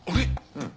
うん。